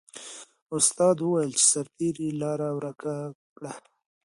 استاد وویل چې سرتیري لاره ورکه کړه.